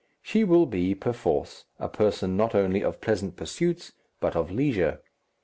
She will be, perforce, a person not only of pleasant pursuits, but of leisure.